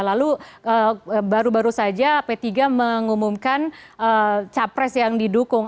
lalu baru baru saja p tiga mengumumkan capres yang didukung